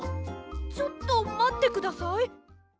ちょっとまってください。